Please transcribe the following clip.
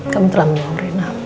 kamu telah menimpa dorena